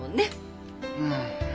うん。